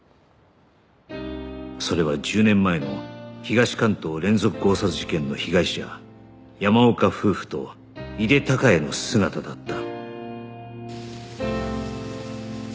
それは１０年前の東関東連続強殺事件の被害者山岡夫婦と井手孝也の姿だった